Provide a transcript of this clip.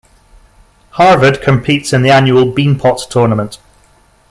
Harvard competes in the annual Beanpot Tournament.